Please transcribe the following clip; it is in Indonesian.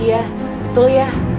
iya betul ya